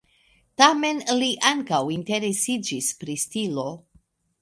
Tamen li ankaŭ interesiĝis pri stilo.